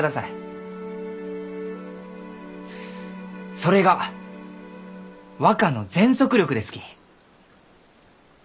それが若の全速力ですき。